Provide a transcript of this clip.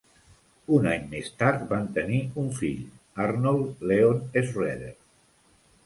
Un any més tard van tenir un fill, Arnold Leon Schroeder.